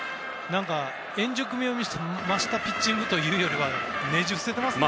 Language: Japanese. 円熟味を増したピッチングというよりはねじ伏せてますね。